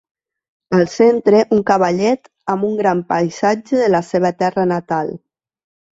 Al centre, un cavallet amb un gran paisatge de la seva terra natal.